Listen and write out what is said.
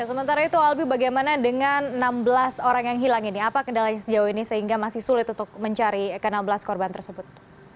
sementara itu albi bagaimana dengan enam belas orang yang hilang ini apa kendalanya sejauh ini sehingga masih sulit untuk mencari ke enam belas korban tersebut